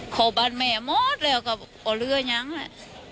โคบ้านแม่หมดแล้วก็เหลืออย่างนั้นแหละ